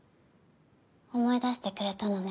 思い出してくれたのね。